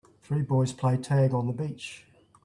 Three boys play tag on the beach.